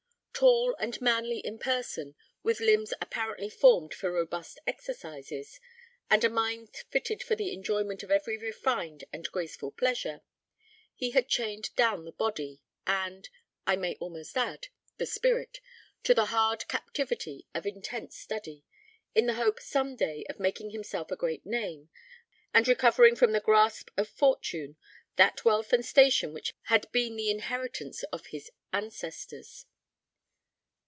Tall and manly in person, with limbs apparently formed for robust exercises, and a mind fitted for the enjoyment of every refined and graceful pleasure, he had chained down the body and, I may almost add, the spirit, to the hard captivity of intense study, in the hope some day of making himself a great name, and recovering from the grasp of fortune that wealth and station which had been the inheritance of his ancestors.